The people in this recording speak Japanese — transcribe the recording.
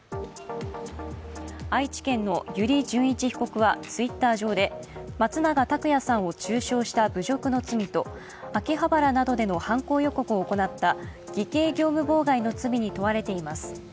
愛知県の油利潤一被告はＴｗｉｔｔｅｒ上で松永拓也さんを中傷した侮辱の罪と秋葉原などで犯行予告を行った偽計業務妨害の罪に問われています。